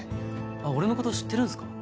あっ俺のこと知ってるんすか？